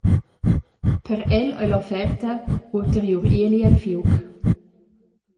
Per el ei l’offerta ulteriur ieli el fiug.